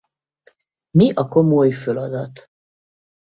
Mi a komoly föladat?